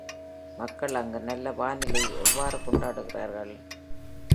மக்கள் அங்கு நல்ல வானிலையை எவ்வாறு கொண்டாடுகிறார்கள்?